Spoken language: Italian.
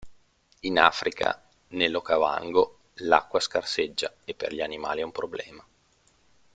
In Africa, nell'Okavango, l'acqua scarseggia e per gli animali è un problema.